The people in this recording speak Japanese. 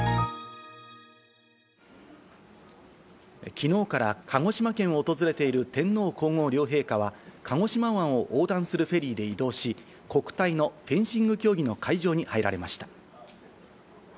きのうから鹿児島県を訪れている天皇皇后両陛下は、鹿児島湾を横断するフェリーで移動し、国体のフェンシング競技の会場に入られました。